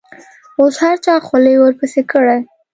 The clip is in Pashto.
اوس هر چا خولې ورپسې کړي.